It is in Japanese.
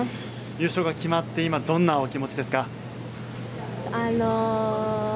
優勝が決まって今、どんなお気持ちですか？